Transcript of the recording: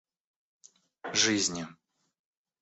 жизни